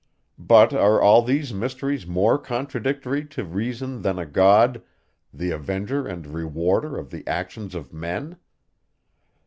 But are all these mysteries more contradictory to reason than a God, the avenger and rewarder of the actions of men?